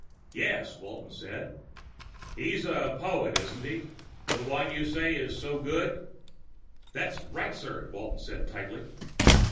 "Yes," Walton said. "He's the poet, isn't he? The one you say is so good?" "That's right, sir," Walton said tightly.